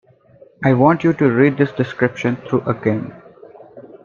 I want you to read this description through again.